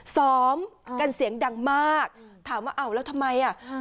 ซ้อมกันเสียงดังมากถามว่าอ้าวแล้วทำไมอ่ะ